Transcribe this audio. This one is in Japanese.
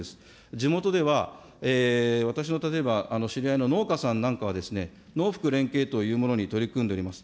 地元では私の例えば知り合いの農家さんなんかは、農福連携というものに取り組んでおります。